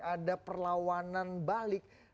ada perlawanan balik